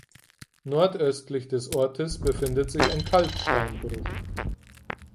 Nordöstlich des Orts befindet sich ein Kalksteinbruch.